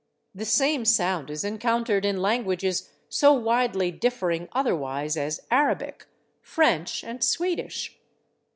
The same sound is encountered in languages so widely differing otherwise as Arabic, French and Swedish.